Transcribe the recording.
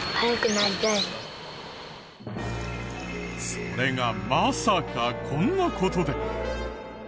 それがまさかこんな事で。